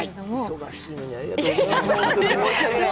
忙しいのにありがとうございます。